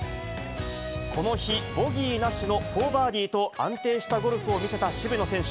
この日、ボギーなしの４バーディーと安定したゴルフを見せた渋野選手。